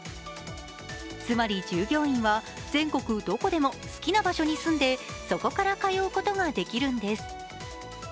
つまり、従業員は全国どこでも好きな場所に住んでそこから通うことができるんです。